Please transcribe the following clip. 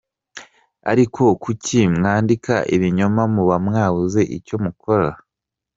Ariko kuki mwandika ibinyoma muba mwabuze icyo mukora?